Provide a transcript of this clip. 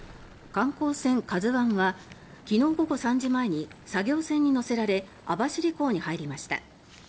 観光船「ＫＡＺＵ１」は昨日午後３時前に作業船に載せられ網走港に入りました。